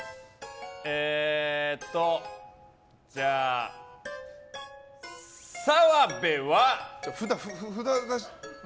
えーとじゃあ、澤部は。